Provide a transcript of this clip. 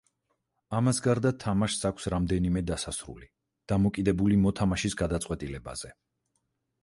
ამას გარდა თამაშს აქვს რამდენიმე დასასრული, დამოკიდებული მოთამაშის გადაწყვეტილებაზე.